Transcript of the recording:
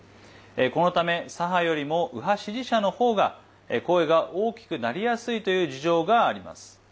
このため、左派よりも右派支持者の方が声が大きくなりやすいという事情があります。